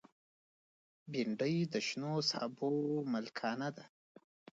بېنډۍ د شنو سابو ملکانه ده